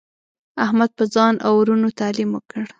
احمد په ځان او ورونو تعلیم وکړ.